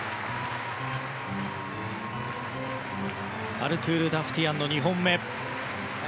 アルトゥール・ダフティアンの２本目。